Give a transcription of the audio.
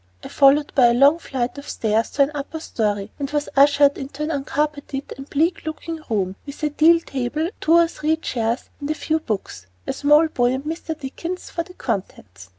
I followed by a long flight of stairs to an upper story, and was ushered into an uncarpeted and bleak looking room, with a deal table, two or three chairs and a few books, a small boy and Mr. Dickens for the contents.